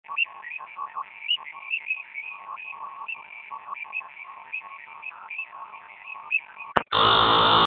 kuwaona wanyama wote bila matatizo kutokana na mazingira mazuri ya hifadhi